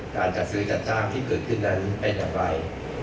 การจัดซื้อจัดจ้างที่เกิดขึ้นนั้นเป็นอย่างไร